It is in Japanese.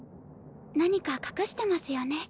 何か隠してますよね？